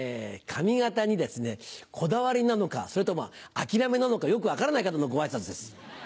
髪形にこだわりなのかそれとも諦めなのかよく分からない方のご挨拶です。